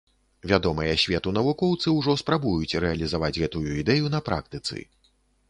Вядомыя свету навукоўцы ўжо спрабуюць рэалізаваць гэтую ідэю на практыцы.